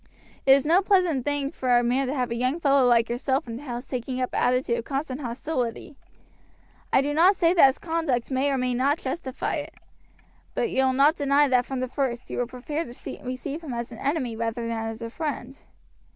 It is no pleasant thing for a man to have a young fellow like yourself in the house taking up an attitude of constant hostility. I do not say that his conduct may or may not justify it; but you will not deny that from the first you were prepared to receive him as an enemy rather than as a friend.